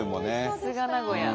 さすが名古屋。